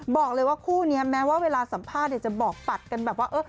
บอกเลยว่าคู่นี้แม้ว่าเวลาสัมภาษณ์จะบอกปัดกันแบบว่า